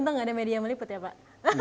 untung tidak ada media meliput ya pak